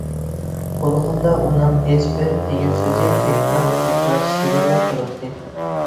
قۇلىقىمدا ئۇنىڭ «ھېچبىر» دېگەن سۆزى تەكرار-تەكرار شىۋىرلاپ تۇراتتى.